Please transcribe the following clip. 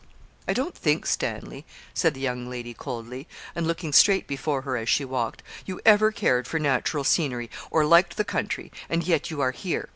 'I don't think, Stanley,' said the young lady coldly, and looking straight before her as she walked, 'you ever cared for natural scenery or liked the country and yet you are here.